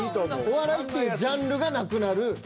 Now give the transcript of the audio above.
お笑いっていうジャンルがなくなる。